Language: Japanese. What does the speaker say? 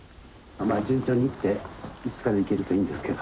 まあ順調にいって５日で行けるといいんですけど。